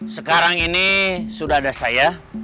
sekarang ini sudah ada saya